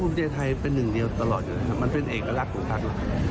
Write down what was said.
ภูมิใจไทยเป็นหนึ่งเดียวตลอดอยู่แล้วครับมันเป็นเอกลักษณ์ของพัก